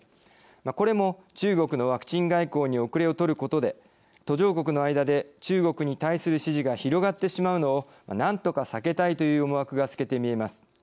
これも、中国のワクチン外交に後れを取ることで途上国の間で中国に対する支持が広がってしまうのを何とか避けたいという思惑が透けて見えます。